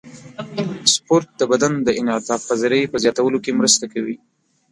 سپورت د بدن د انعطاف پذیرۍ په زیاتولو کې مرسته کوي.